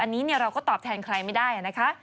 อันนี้เราก็ตอบแทนใครไม่ได้นะคะ